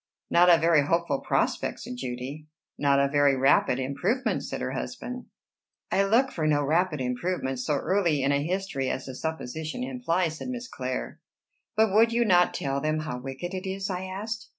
"Not a very hopeful prospect," said Judy. "Not a very rapid improvement," said her husband. "I look for no rapid improvement, so early in a history as the supposition implies," said Miss Clare. "But would you not tell them how wicked it is?" I asked.